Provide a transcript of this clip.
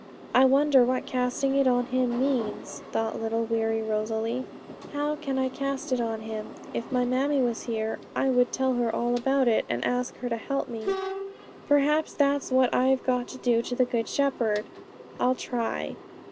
I wonder what casting it on Him means,' thought little weary Rosalie. 'How can I cast it on Him? If my mammie was here, I would tell her all about it, and ask her to help me. Perhaps that's what I've got to do to the Good Shepherd; I'll try.'